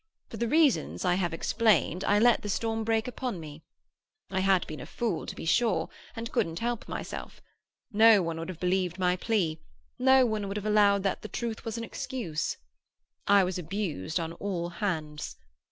For the reasons I have explained, I let the storm break upon me. I had been a fool, to be sure, and couldn't help myself. No one would have believed my plea—no one would have allowed that the truth was an excuse. I was abused on all hands.